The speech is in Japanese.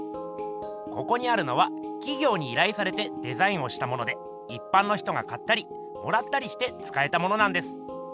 ここにあるのはきぎょうにいらいされてデザインをしたものでいっぱんの人が買ったりもらったりしてつかえたものなんです。